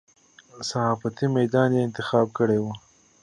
صحافتي میدان یې انتخاب کړی وي.